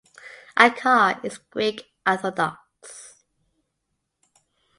Akar is Greek Orthodox.